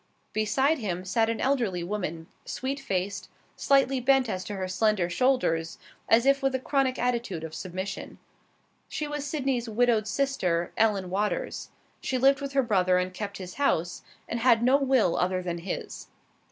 Beside him sat an elderly woman, sweet faced, slightly bent as to her slender shoulders, as if with a chronic attitude of submission. She was Sydney's widowed sister, Ellen Waters. She lived with her brother and kept his house, and had no will other than his.